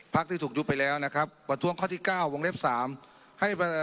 พรรคที่ถูกยุบไปแล้วนะครับประท้วงข้อที่๙วงเล็ก๓